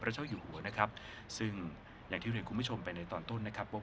พระเจ้าอยู่เหมือนนะครับซึ่งในที่เรียนคุณไปในตอนต้นนะครับว่า